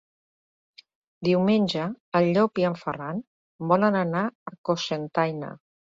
Diumenge en Llop i en Ferran volen anar a Cocentaina.